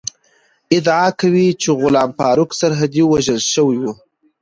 ادعا کوي چې غلام فاروق سرحدی وژل شوی ؤ